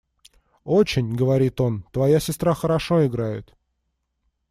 – «Очень, – говорит он, – твоя сестра хорошо играет.